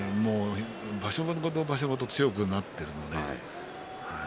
場所ごと強くなっていますので。